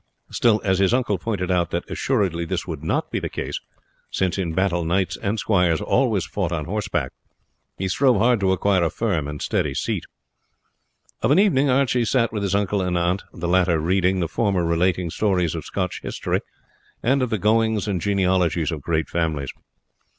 Still, as his uncle pointed out that assuredly this would not be the case, since in battle knights and squires always fought on horseback, he strove hard to acquire a firm and steady seat. Of an evening Archie sat with his uncle and aunt, the latter reading, the former relating stories of Scotch history and of the goings and genealogies of great families.